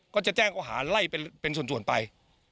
ก็จะแจ้งเขาหาไล่เป็นส่วนไป